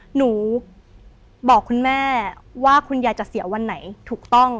หนูบอกคุณแม่ว่าคุณยายจะเสียวันไหนถูกต้อง